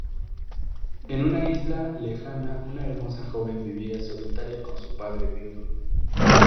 En una isla lejana una hermosa joven vivía solitaria con su padre viudo.